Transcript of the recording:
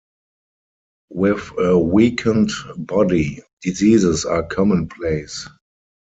With a weakened body, diseases are commonplace.